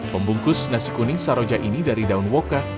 membungkus nasi kuning saroja ini dari daun woka